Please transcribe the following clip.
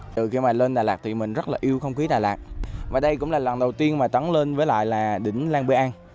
từ khi mà lên đà lạt thì mình rất là yêu không khí đà lạt và đây cũng là lần đầu tiên mà tắn lên với lại là đỉnh lan bê an